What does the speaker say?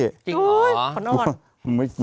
อุ๊ยขออนุญาติจริงหรอ